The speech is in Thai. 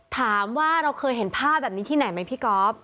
ถามว่าเราเคยเห็นภาพแบบนี้ที่ไหนไหมพี่ก๊อฟ